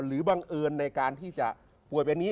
บังเอิญในการที่จะป่วยแบบนี้